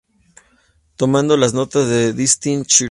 Tomados de las notas de "Destiny's Child".